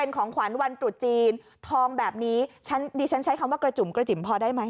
ของขวัญวันตรุษจีนทองแบบนี้ฉันดิฉันใช้คำว่ากระจุ๋มกระจิ๋มพอได้ไหม